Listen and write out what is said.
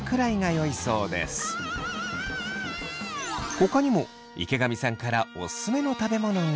ほかにも池上さんからオススメの食べ物が。